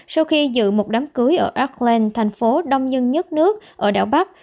sau khi dự một đám cưới ở auckland thành phố đông dân nhất nước ở đảo bắc